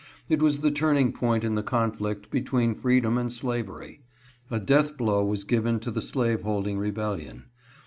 It was the turning point in the conflict between freedom and slavery. A death blow was given to the slavehold ing rebellion.